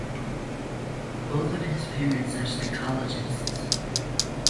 Both of his parents are psychologists.